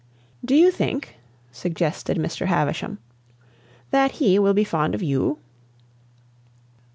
"Do you think," suggested Mr. Havisham, "that he will be fond of you?"